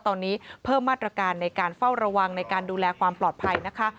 ตอนนี้เพิ่มมาตรการในการเฝ้าระวังในการดูแลความปลอดภัยนะคะ